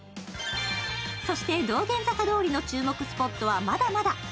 そして道玄坂通の注目スポットはまだまだ。